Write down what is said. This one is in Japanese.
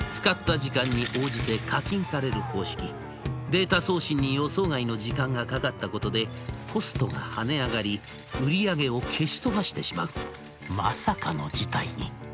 データ送信に予想外の時間がかかったことでコストが跳ね上がり売り上げを消し飛ばしてしまうまさかの事態に。